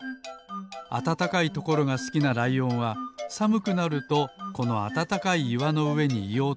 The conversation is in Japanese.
あたたかいところがすきなライオンはさむくなるとこのあたたかいいわのうえにいようとします。